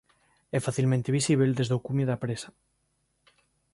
É facilmente visíbel desde o cumio da presa.